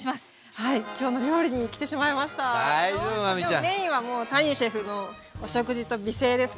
でもメインはもう谷シェフのお食事と美声ですから。